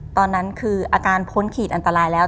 ตอนนั้นคืออาการพ้นขีดอันตรายแล้ว